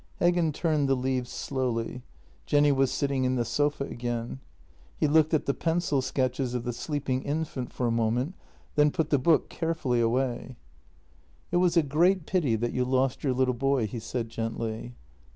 Heggen turned the leaves slowly. Jenny was sitting in the sofa again. He looked at the pencil sketches of the sleeping infant for a moment, then put the book carefully away. 268 JENNY " It was a great pity that you lost your little boy," he said gently.